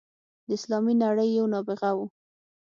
د اسلامي نړۍ یو نابغه وو.